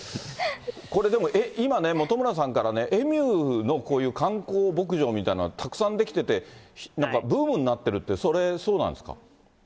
これ今、本村さんから、エミューのこういう観光牧場みたいなのがたくさん出来てて、ブームになってるって、それ、そうなんですか。